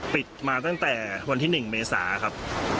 ปิดมาตั้งแต่วันที่๑เมษาครับ